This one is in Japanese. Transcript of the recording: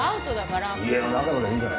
家の中ぐらいいいじゃないか。